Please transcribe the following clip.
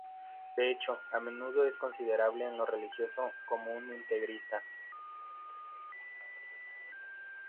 De hecho, a menudo es considerado en lo religioso como un integrista.